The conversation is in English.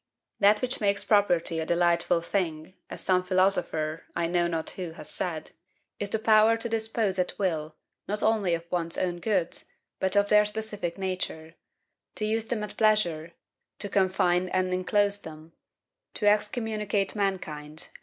That which makes property a DELIGHTFUL THING, as some philosopher (I know not who) has said, is the power to dispose at will, not only of one's own goods, but of their specific nature; to use them at pleasure; to confine and enclose them; to excommunicate mankind, as M.